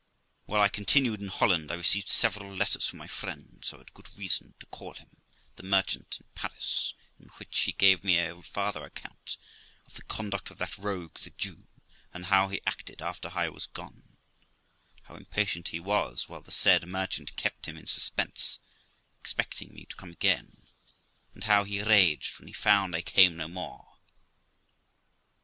While I continued in Holland I received several letters from my friend (so I had good reason to call him) the merchant in Paris, in which he gave me a farther account of the conduct of that rogue the Jew, and how he acted after I was gone; how impatient he was while the said merchant 272 THE LIFE OF ROXANA kept him in suspense, expecting me to come again; and how he raged when he found I came no more.